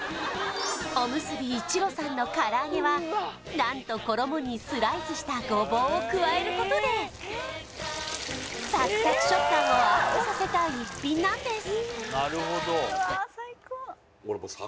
おむすび一路さんのからあげは何と衣にスライスしたゴボウを加えることでサクサク食感をアップさせた逸品なんです